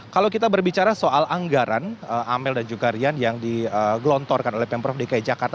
kalau kita berbicara soal anggaran amel dan juga rian yang digelontorkan oleh pemprov dki jakarta